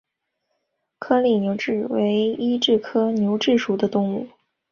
颗粒牛蛭为医蛭科牛蛭属的动物。